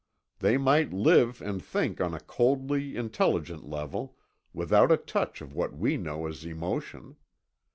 They might live and think on a coldly intelligent level, without a touch of what we know as emotion.